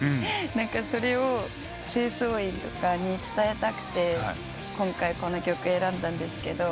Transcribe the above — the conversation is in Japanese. それを清掃員とかに伝えたくて今回この曲選んだんですけど。